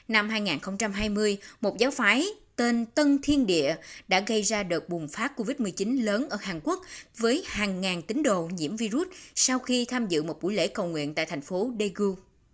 năm hai nghìn hai mươi một giáo phái tên tân thiên địa đã gây ra đợt bùng phát covid một mươi chín lớn ở hàn quốc với hàng ngàn tín đồ nhiễm virus sau khi tham dự một buổi lễ cầu nguyện tại thành phố daegu